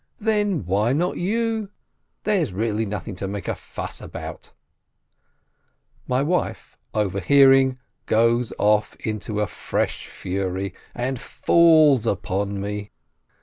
Then why not you? There's really nothing to make such a fuss about." My wife, overhearing, goes off into a fresh fury, and falls upon me.